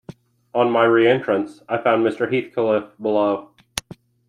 On my re-entrance, I found Mr. Heathcliff below.